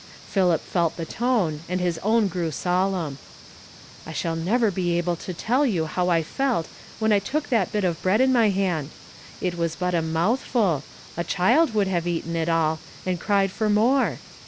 Philip felt the tone, and his own grew solenni. ''I shall never be able to tell you how I felt when I took that bit of bread in my hand. It was but a mouthful ; a child would have eaten it all, and cried for more.